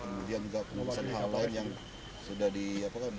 kemudian juga pengawasan hal lain yang sudah di mereka rencanakan